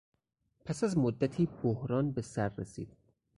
پس از مدتی بحران به سر رسید.